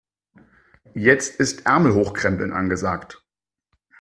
Jetzt ist Ärmel hochkrempeln angesagt.